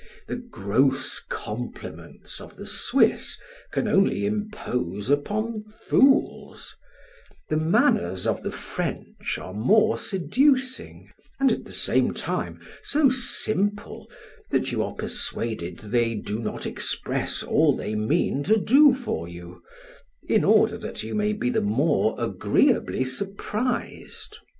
The gross compliments of the Swiss can only impose upon fools; the manners of the French are more seducing, and at the same time so simple, that you are persuaded they do not express all they mean to do for you, in order that you may be the more agreeably surprised.